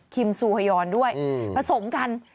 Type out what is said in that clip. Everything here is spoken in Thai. ซูฮยอนด้วยผสมกัน